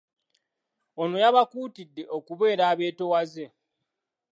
Ono yabakuutidde okubeera abeetoowaze